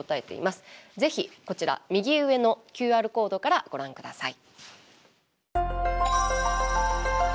ぜひ、こちら右上のＱＲコードからご覧ください。